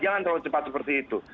jangan terlalu cepat seperti itu